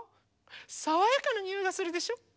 さわやかなにおいがするでしょ。